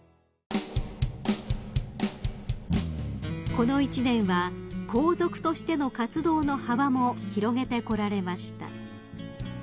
［この一年は皇族としての活動の幅も広げてこられました］